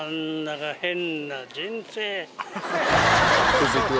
続いては